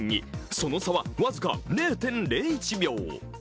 その差は僅か０．０１秒。